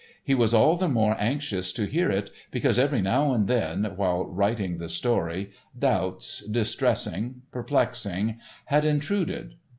He was all the more anxious to hear it because, every now and then, while writing the story, doubts—distressing, perplexing—had intruded.